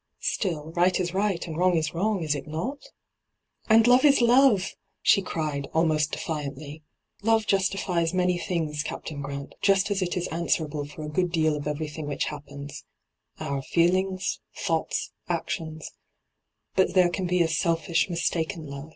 ' Still, right is right, and wrong is wrong, is it not V ' And love is love !' she cried, almost defiantly. ' Love justifies many things, Cap tain Grant, just as it is answerable for a good deal of everjrthing which happens — our feel ings, thoughts, aotiona But there can be a selfish, mistaken love.